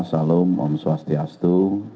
salam om swastiastu